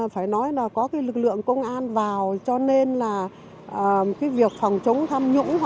phải nói là có cái lực lượng công an vào cho nên là cái việc phòng chống tham nhũng